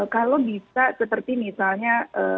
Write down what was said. kalau bisa seperti misalnya